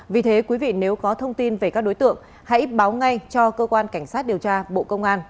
vì thế quý vị nếu có thông tin về các đối tượng hãy báo ngay cho cơ quan cảnh sát điều tra bộ công an